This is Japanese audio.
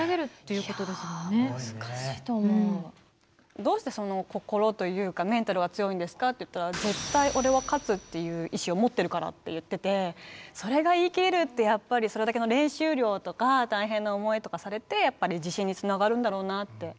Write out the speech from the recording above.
「どうして心というかメンタルが強いんですか？」って言ったら「絶対、俺は勝つっていう意志を持ってるから」って言っててそれが言い切れるって、やっぱりそれだけの練習量とか大変な思いとかされて自信につながるんだろうなって。